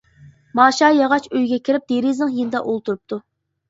ماشا ياغاچ ئۆيگە كىرىپ دېرىزىنىڭ يېنىدا ئولتۇرۇپتۇ.